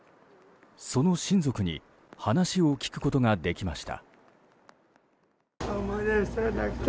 その親族に話を聞くことができました。